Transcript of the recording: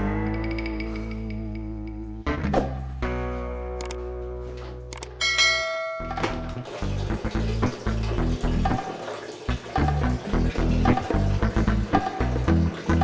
bapak apa yang kamu lakukan